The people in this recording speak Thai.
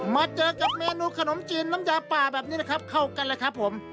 มาเจอกับเมนูขนมจีนน้ำยาป่าแบบนี้นะครับเข้ากันเลยครับผม